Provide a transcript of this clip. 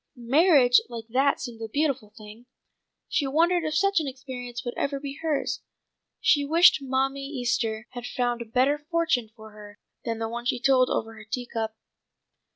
Marriage like that seemed a beautiful thing; she wondered if such an experience would ever be hers. She wished Mammy Easter had found a better fortune for her than the one she told over her tea cup.